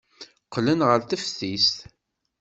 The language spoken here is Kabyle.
Qqlen ɣer teftist.